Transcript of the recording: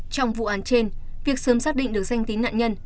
trong vụ án trên việc sớm xác định được danh tính nạn nhân